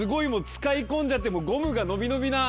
使い込んじゃってゴムが伸び伸びな。